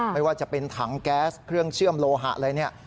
ไม่ว่าจะเป็นถังแก๊สเครื่องเชื่อมโลหะอะไรเนี่ย